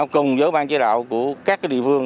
cùng với bàn chế đạo của các địa phương